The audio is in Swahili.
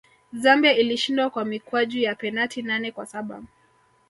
zambia ilishinda kwa mikwaju ya penati nane kwa saba